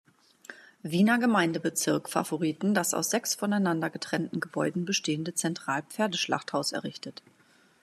Wiener Gemeindebezirk Favoriten das aus sechs voneinander getrennten Gebäuden bestehende Zentral-Pferdeschlachthaus errichtet.